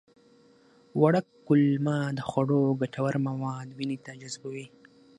وړه کولمه د خوړو ګټور مواد وینې ته جذبوي